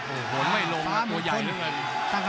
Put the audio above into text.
โอ้โหไม่ลงตัวใหญ่เรื่องนั้น